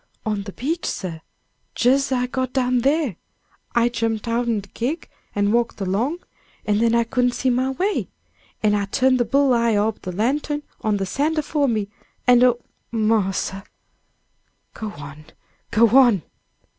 "On de beach, sir. Jes' as I got down there, I jumped out'n de gig, and walked along, and then I couldn't see my way, an' I turned de bull eye ob de lantern on de sand afore me, an' oh, marse " "Go, on! go on!"